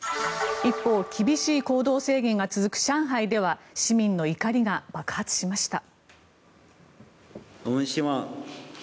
一方厳しい行動制限が続く上海では市民の怒りが爆発しました。